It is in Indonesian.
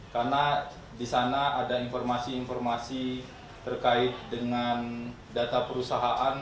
karena disana ada informasi informasi terkait dengan data perusahaan